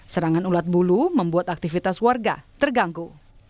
serangan ulat bulu membuat aktivitas warga terganggu